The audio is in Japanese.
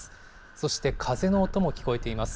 そして風の音も聞こえています。